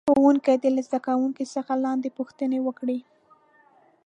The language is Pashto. ښوونکی دې له زده کوونکو څخه لاندې پوښتنې وکړي.